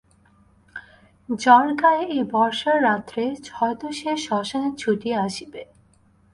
জ্বর গায়ে এই বর্ষার রাত্রে হয়তো সে শ্মশানে ছুটিয়া আসিবে।